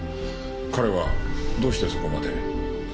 彼はどうしてそこまで？